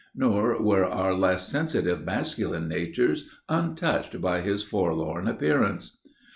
Nor were our less sensitive masculine natures untouched by his forlorn appearance.